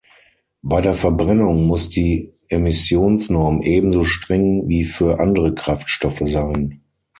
Bei der Verbrennung muss die Emissionsnorm ebenso streng wie für andere Kraftstoffe sein.